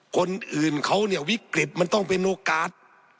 คนอื่นเขาเนี่ยวิกฤตมันต้องเป็นโอกาส